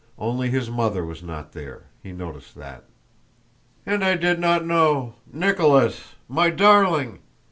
Only his mother was not there, he noticed that. "And I did not know... Nicholas... My darling!..."